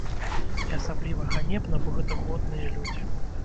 І асабліва ганебна, бо гэта годныя людзі.